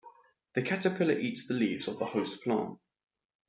The caterpillar eats the leaves of the host plant.